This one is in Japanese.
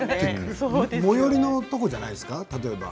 最寄りのところじゃないですか？